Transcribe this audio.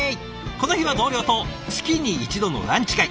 この日は同僚と月に１度のランチ会。